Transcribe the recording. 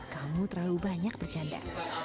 kamu terlalu banyak bercanda